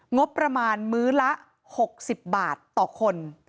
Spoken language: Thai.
งบประมาณมื้อละ๖๐บาทต่อคน